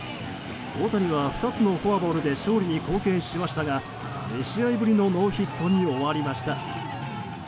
大谷は２つのフォアボールで勝利に貢献しましたが２試合ぶりのノーヒットに終わりました。